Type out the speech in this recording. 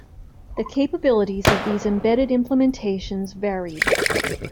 The capabilities of these embedded implementations varied.